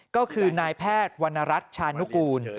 ก็คือนายแพทย์วรรณรัฐชานุกูล